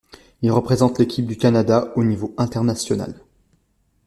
Il représente l'équipe du Canada au niveau international.